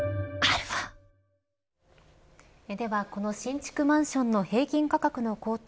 では、この新築マンションの平均価格の高騰